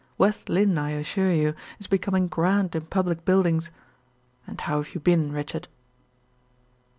West Lynne I assure you, is becoming grand in public buildings. And how have you been, Richard?"